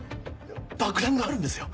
爆弾があるんですよ？